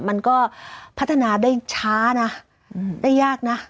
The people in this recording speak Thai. มันก็พัฒนาได้ช้านะได้ยากนะ